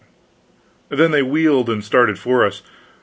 Then they wheeled and started for us.